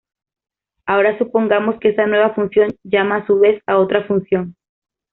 Ahora supongamos que esa nueva función llama a su vez a otra función.